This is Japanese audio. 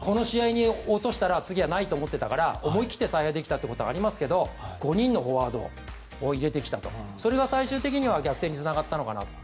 この試合に落としたら次はないと思っていたから思い切って采配できたということはありましたが５人のフォワードを入れてきたとそれが最終的には逆転につながったのかなと。